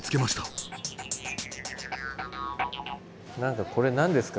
何かこれ何ですか？